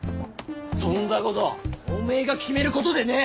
そんだことおめえが決めることでねえ。